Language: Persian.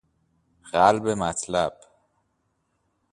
قلب مطلب